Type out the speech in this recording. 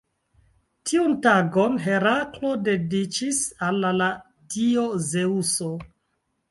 Tiun tagon Heraklo dediĉis al la dio Zeŭso.